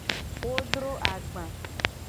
Wo dro agba.